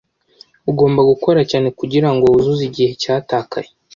Ugomba gukora cyane kugirango wuzuze igihe cyatakaye.